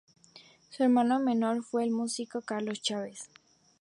Su hermano menor fue el músico Carlos Chávez.